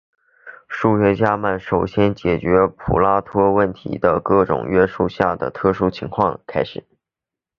数学家们首先从解决普拉托问题的各种约束下的特殊情况开始。